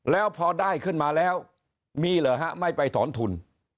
แล้วพอได้ขึ้นมาแล้วมีเหรอฮะไม่ไปถอนทุน